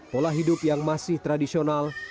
pola hidup yang masih tradisional